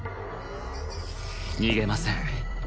逃げません